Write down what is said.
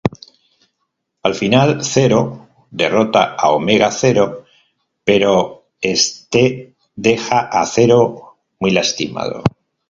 Al final Zero derrota a Omega Zero, pero este deja a Zero muy lastimado.